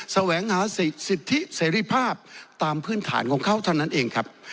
แสวงหาสิทธิเสรีภาพตามพื้นฐานของเขาเท่านั้นเองครับ